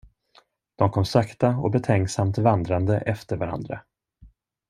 De kom sakta och betänksamt vandrande efter varandra.